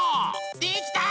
できた！